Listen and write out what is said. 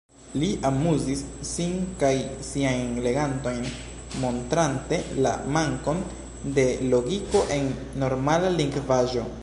Li amuzis sin kaj siajn legantojn, montrante la mankon de logiko en normala lingvaĵo.